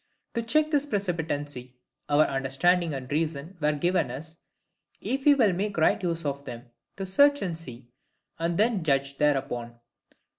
To check this precipitancy, our understanding and reason were given us, if we will make a right use of them, to search and see, and then judge thereupon.